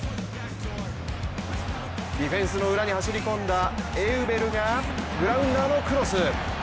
ディフェンスの裏に走り込んだエウベルがグラウンダーのクロス。